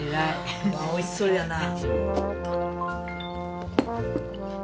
おいしそうやな。